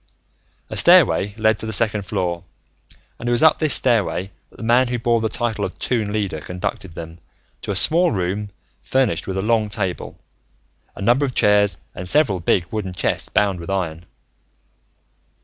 A stairway led to the second floor, and it was up this stairway that the man who bore the title of Toon Leader conducted them, to a small room furnished with a long table, a number of chairs, and several big wooden chests bound with iron.